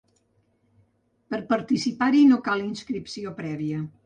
Per a participar-hi no cal inscripció prèvia.